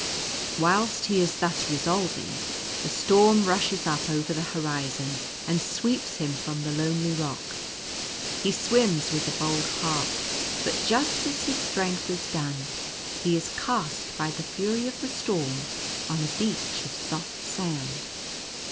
Whilst he is thus resolving, the storm rushes up over the horizon and sweeps him from the lonely rock. He swims with a bold heart; but just as his strength is done, he is cast by the fury of the storm on a beach of soft sand.